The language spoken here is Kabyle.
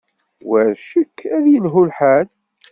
War ccek, ad yelhu lḥal.